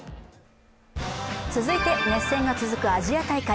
続いて熱戦が続くアジア大会。